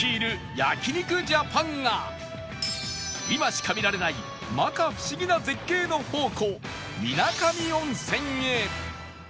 焼肉ジャパンが今しか見られない摩訶不思議な絶景の宝庫水上温泉へ